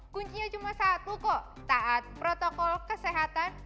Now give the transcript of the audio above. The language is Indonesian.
kuncinya cuma satu kok taat protokol kesehatan